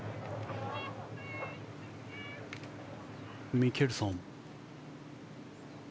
ミケルソン。